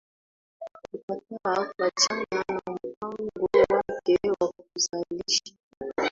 kukataa kuachana na mpango wake wa kuzalisha